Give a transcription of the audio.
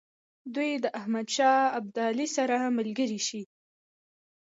دوی د احمدشاه ابدالي سره ملګري شي.